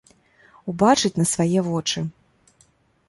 Убачыць на свае вочы.